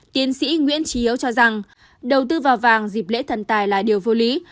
tiến sĩ nguyễn trí yếu cho rằng đầu tư vào vàng dịp lễ thần tài là điều vô lý